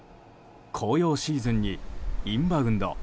紅葉シーズンにインバウンド